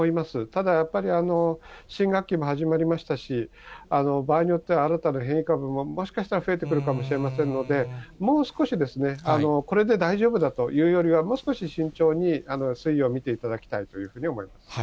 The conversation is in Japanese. ただやっぱり、新学期も始まりましたし、場合によっては新たな変異株ももしかしたら増えてくるかもしれませんので、もう少し、これで大丈夫だというよりは、もう少し慎重に推移を見ていただきたいというふうに思います。